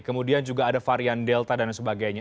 kemudian juga ada varian delta dan sebagainya